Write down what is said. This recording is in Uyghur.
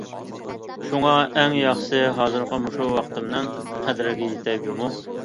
شۇڭا، ئەڭ ياخشىسى، ھازىرقى مۇشۇ ۋاقتىمنىڭ قەدرىگە يېتەي جۇمۇ!!